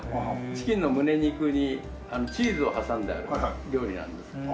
チキンのむね肉にチーズを挟んだ料理なんですね。